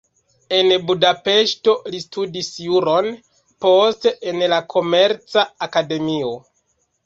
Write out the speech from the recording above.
En Budapeŝto li studis juron, poste en la komerca akademio.